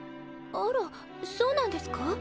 あらそうなんですか？